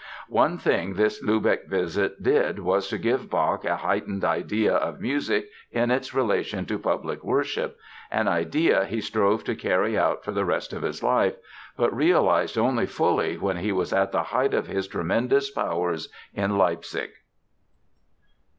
One thing this Lübeck visit did was to give Bach a heightened idea of music in its relation to public worship, an idea he strove to carry out for the rest of his life, but realized only fully when he was at the height of his tremendous powers in Leipzig.